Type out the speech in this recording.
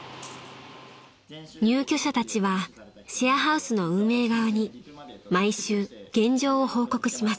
［入居者たちはシェアハウスの運営側に毎週現状を報告します］